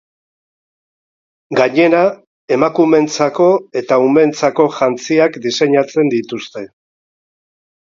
Gainera, emakumeentzako eta umeentzako jantziak diseinatzen dituzte.